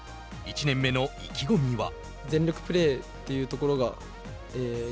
１年目の意気込みは。